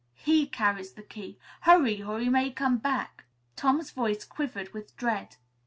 He carries the key. Hurry or he may come back." Tom's voice quivered with dread.